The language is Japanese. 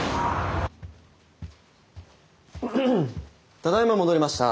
ただいま戻りました。